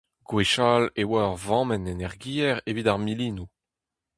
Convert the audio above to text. Gwechall e oa ur vammenn energiezh evit ar milinoù.